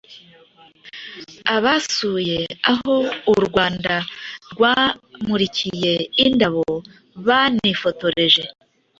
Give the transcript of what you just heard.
Abasuye aho u Rwanda rwamurikiye indabo banifotoreje